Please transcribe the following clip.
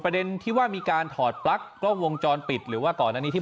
ประเด็นที่ว่ามีการถอดปลั๊กกล้องวงจรปิดหรือว่าก่อนอันนี้ที่